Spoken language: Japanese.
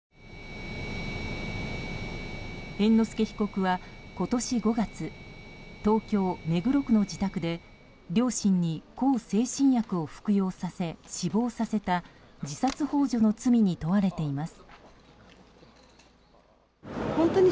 猿之助被告は今年５月、東京・目黒区の自宅で両親に向精神薬を服用させ死亡させた自殺幇助の罪に問われています。